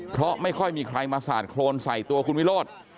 เพราะไม่ค่อยมีใครมาสาดโครนใส่ตัวคุณวิโรธ